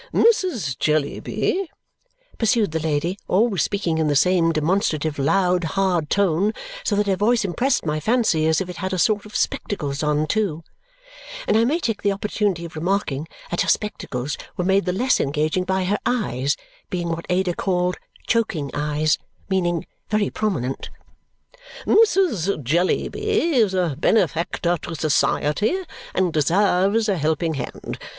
"Mrs. Jellyby," pursued the lady, always speaking in the same demonstrative, loud, hard tone, so that her voice impressed my fancy as if it had a sort of spectacles on too and I may take the opportunity of remarking that her spectacles were made the less engaging by her eyes being what Ada called "choking eyes," meaning very prominent "Mrs. Jellyby is a benefactor to society and deserves a helping hand.